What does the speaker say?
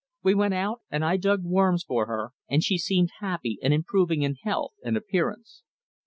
We went out and I dug worms for her, and she seemed happy and improving in health and appearance.